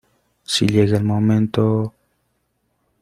si llega el momento...